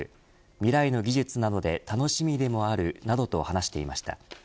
未来の技術なので楽しみでもあるなどと話していました。